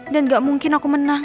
dan gak mungkin aku menang